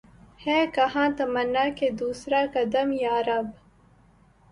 ہے کہاں تمنا کا دوسرا قدم یا رب